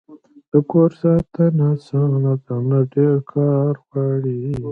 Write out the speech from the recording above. د کور ساتنه اسانه ده؟ نه، ډیر کار غواړی